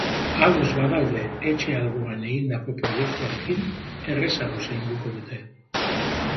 Ados badaude etxe alboan egindako proiektuarekin errazago zainduko dute.